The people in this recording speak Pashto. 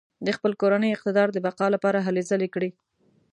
د خپل کورني اقتدار د بقا لپاره هلې ځلې کړې.